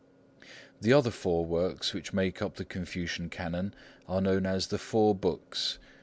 The other four works which make up the Confucian Canon are known as the Four Books.